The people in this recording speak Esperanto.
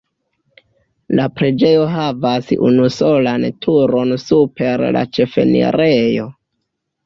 La preĝejo havas unusolan turon super la ĉefenirejo.